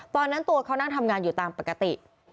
ตอนนั้นตัวเขานั่งทำงานอยู่ตามปกติ